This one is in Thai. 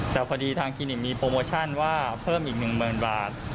แต่พอดีทางคลินิกมีโปรโมชั่นว่าเพิ่มอีก๑๐๐๐บาท